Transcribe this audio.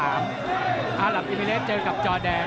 หลับอิมิเลสเจอกับจอแดง